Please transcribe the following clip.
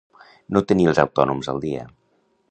No tenir els autònoms al dia.